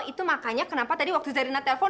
itu makanya kenapa tadi waktu zarina telpon